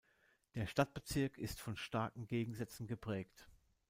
Der Stadtbezirk ist von starken Gegensätzen geprägt.